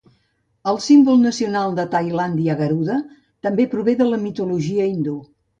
El símbol nacional de Tailàndia, Garuda, també prové de la mitologia hindú.